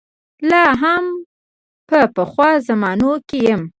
زه لا هم په پخوا زمانو کې یم.